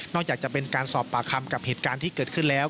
จากจะเป็นการสอบปากคำกับเหตุการณ์ที่เกิดขึ้นแล้ว